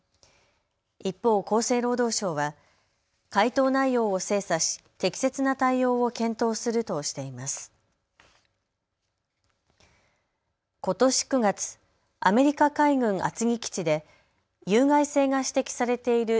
一方、厚生労働省は回答内容を精査し適切な対応を検討するとしています。